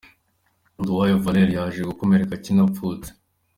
Nduwayo Valeur yaje gukomereka akina apfutse .